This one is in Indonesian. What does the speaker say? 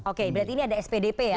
oke berarti ini ada spdp ya